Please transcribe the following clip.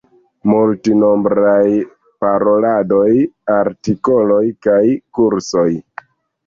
Multnombraj paroladoj, artikoloj kaj kursoj.